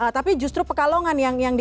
tapi justru pekalongan yang di